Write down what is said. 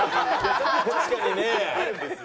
確かにね。